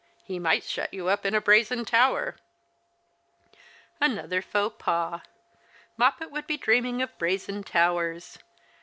He might shut you up in a brazen tower." Another faux pas. Moppet would be dreaming of brazen towers.